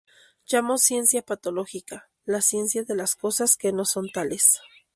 Llamó ciencia patológica "la ciencia de las cosas que no son tales".